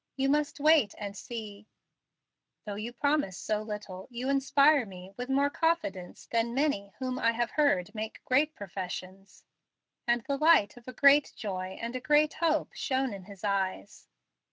You must wait and see." "Though you promise so little, you inspire me with more confidence than many whom I have heard make great professions"; and the light of a great joy and a great hope shone in his eyes.